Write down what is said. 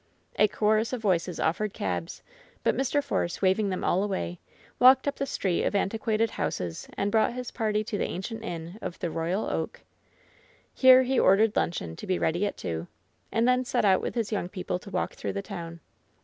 194 LOVE'S BITTEREST CUP A chorus of voices oflFered cabs ; but Mr. Force, wav ing them all away, walked up the street of antiquated houses and brought his party to the ancient inn of ^The Eoyal Oak/' Here he ordered luncheon, to be ready at two, and then set out with his young people to walk through the town.